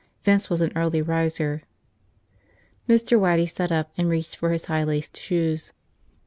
Vince was an early riser. Mr. Waddy sat up and reached for his high laced shoes.